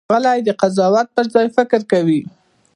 غلی، د قضاوت پر ځای فکر کوي.